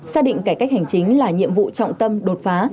xác định cải cách hành chính là nhiệm vụ trọng tâm đột phá